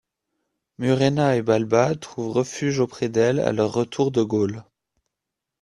Murena et Balba trouvent refuge auprès d'elle à leur retour de Gaule.